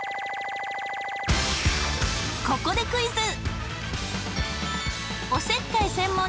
ここでクイズ！